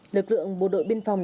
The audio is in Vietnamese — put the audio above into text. lực lượng bộ đội biên phòng